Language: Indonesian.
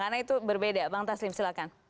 karena itu berbeda bang taslim silahkan